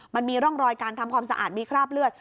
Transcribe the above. มันมีร่องรอยการทำความสะอาดมีคราบเลือด